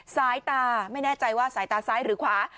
สายตาไม่แน่ใจว่าสายตาซ้ายหรือขวา